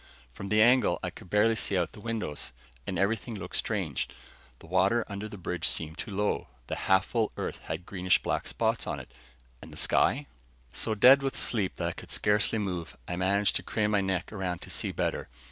From the angle, I could barely see out the windows, and everything looked strange. The water under the bridge seemed too low. The half full Earth had greenish black spots on it. And the sky? So dead with sleep that I could scarcely move, I managed to crane my neck around to see better.